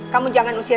kamu jangan menyebabkan